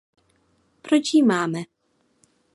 Proč ji máme?